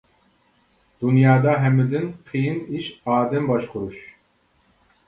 دۇنيادا ھەممىدىن قىيىن ئىش ئادەم باشقۇرۇش.